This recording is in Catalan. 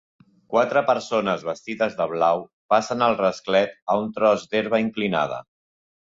Quatre persones vestides de blau passen el rasclet a un tros d'herba inclinada.